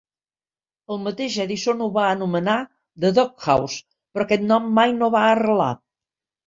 El mateix Edison ho va anomenar "The Doghouse", però aquest nom mai no va arrelar.